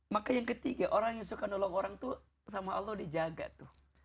maka yang ketiga orang yang suka nolong orang tuh sama allah dijaga tuh